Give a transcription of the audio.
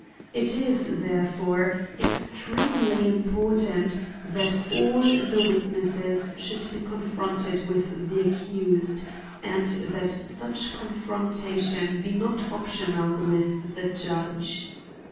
It is, therefore, extremely important that all the witnesses should be confronted with the accused, and that such confrontation be not optional with the judge.